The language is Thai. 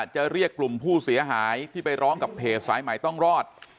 จะเรียกกลุ่มผู้เสียหายที่ไปร้องกับเพจสายใหม่ต้องรอด